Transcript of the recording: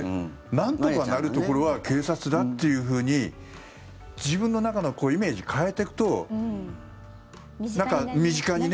なんとかなるところは警察だっていうふうに自分の中のイメージを変えていくと、なんか身近に。